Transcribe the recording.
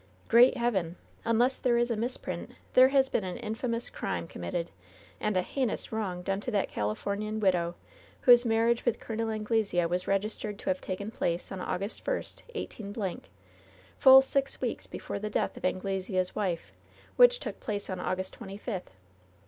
Great Heaven! unless there is a misprint, there has been an infamous crime committed, and a heinous wrong done to that Califor nian widow, whose marriage with Col. Anglesea was registered to have taken place on August 1, 185 —, full six weeks before the death of Anglesea's wife, which took place on August 25 th